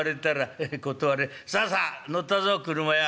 さあさあ乗ったぞ俥屋。